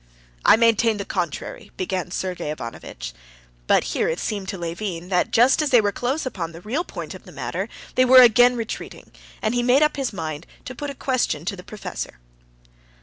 "I maintain the contrary," began Sergey Ivanovitch. But here it seemed to Levin that just as they were close upon the real point of the matter, they were again retreating, and he made up his mind to put a question to the professor.